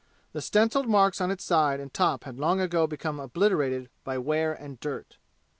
The stenciled marks on its sides and top had long ago become obliterated by wear and dirt.